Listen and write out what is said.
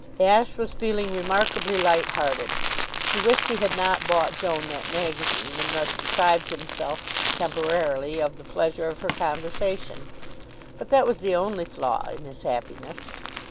Ashe was feeling remarkably light hearted. He wished he had not bought Joan that magazine and thus deprived himself temporarily of the pleasure of her conversation; but that was the only flaw in his happiness.